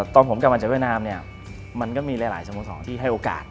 ตอนผมกำลังจะเวียดนามมันก็มีหลายสมุทรที่ให้โอกาส